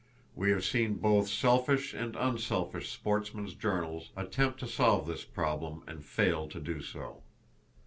We have seen both selfish and unselfish sportsmen's journals attempt to solve this problem and fail to do so.